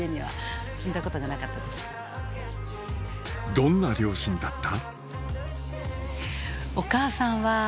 どんな両親だった？